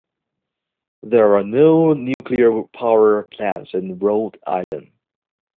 There are no nuclear power plants in Rhode Island.